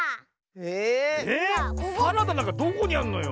ええっ⁉サラダなんかどこにあんのよ？